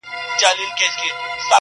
چي یې لاره کي پیدا وږی زمری سو؛